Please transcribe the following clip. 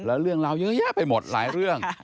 แล้วเรื่องราวเยอะแยะไปหมดหลายเรื่อง